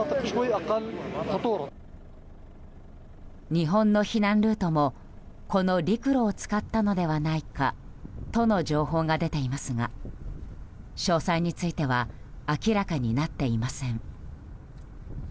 日本の避難ルートもこの陸路を使ったのではないかとの情報が出ていますが詳細については明らかになっていません。